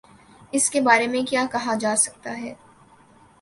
اس کے بارے میں کیا کہا جا سکتا ہے۔